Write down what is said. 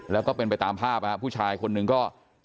แล้วก็เป็นไปตามภาพผู้ชายคนหนึ่งก็